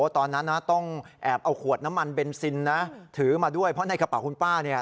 ตอนนั้นนะต้องแอบเอาขวดน้ำมันเบนซินนะถือมาด้วยเพราะในกระเป๋าคุณป้าเนี่ย